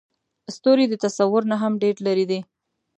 ستوري د تصور نه هم ډېر لرې دي.